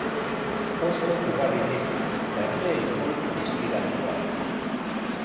Hosto ugari ditu, berde ilun distiratsuak.